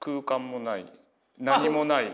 何もない。